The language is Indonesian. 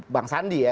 bang sandi ya